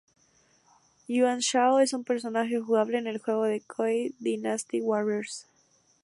Yuan Shao es un personaje jugable en el juego de Koei:Dynasty Warriors.